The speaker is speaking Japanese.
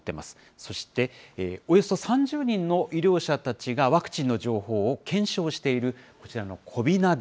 そしておよそ３０人の医療者たちがワクチンの情報を検証しているこちらのこびナビ。